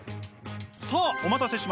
さあお待たせしました。